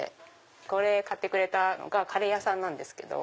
これ買ってくれたのがカレー屋さんなんですけど。